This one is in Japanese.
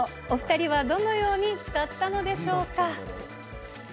お２人はどのように使ったのでしょうか。